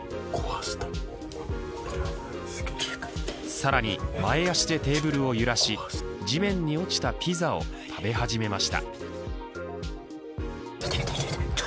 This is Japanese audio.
さらに前足でテーブルを揺らし地面に落ちたピザを食べ始めました。